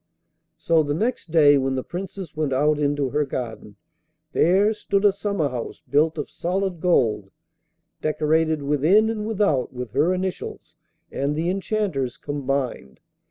So the next day, when the Princess went out into her garden, there stood a summer house built of solid gold, decorated within and without with her initials and the Enchanter's combined.